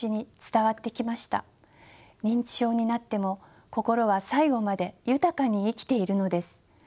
認知症になっても心は最後まで豊かに生きているのです。